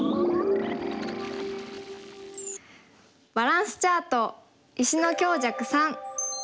バランスチャート。